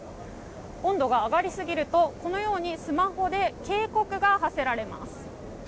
温度が上がりすぎるとこのようにスマホで警告が発せられます。